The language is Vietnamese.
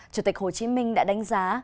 chủ tịch hồ chí minh đã đánh giá